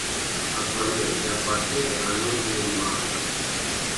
Attualmente appartiene all'Ordine di Malta.